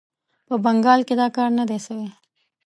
په بنګال کې دا کار نه دی سوی.